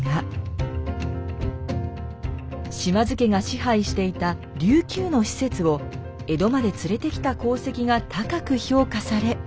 島津家が支配していた琉球の使節を江戸まで連れてきた功績が高く評価され。